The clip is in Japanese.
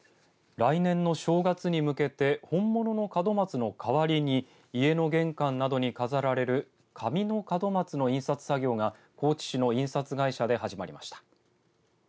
来年の正月に向けて本物の門松の代わりに家の玄関などに飾られる紙の門松の印刷作業が高知市の印刷会社で始まりました。